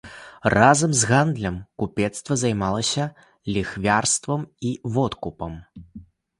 Разам з гандлем купецтва займалася ліхвярствам і водкупам.